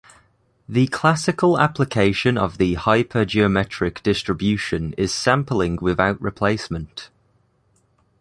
The classical application of the hypergeometric distribution is sampling without replacement.